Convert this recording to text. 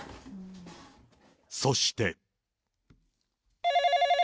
そして。